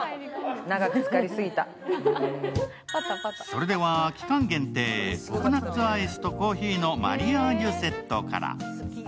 それでは期間限定、ココナッツアイスとコーヒーのマリアージュセットから。